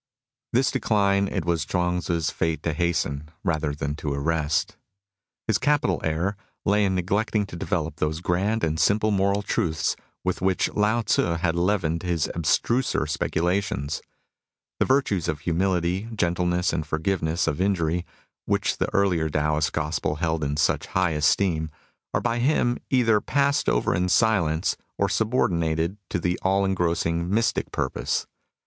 This decline it was Chuang Tzu's fate to hasten rather than to arrest. His capital error lay in neglecting to develop those grand and simple moral truths with which Lao Tzu had leavened his abstruser speculations. The virtues of humility, gentle ness and forgiveness of injury, which the earlier Taoist gospel held in such high esteem, are by him either passed over in silence or subordinated to the all engrossing mystic purpose.